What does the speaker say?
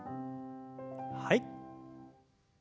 はい。